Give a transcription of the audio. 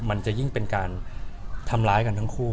มันจะยิ่งเป็นการทำร้ายกันทั้งคู่